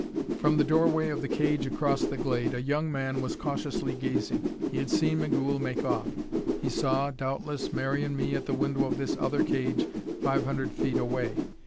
From the doorway of the cage across the glade, a young man was cautiously gazing. He had seen Migul make off; he saw, doubtless, Mary and me at the window of this other cage five hundred feet away.